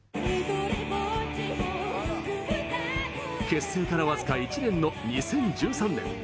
結成から僅か１年の２０１３年。